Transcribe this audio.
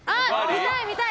見たい見たい！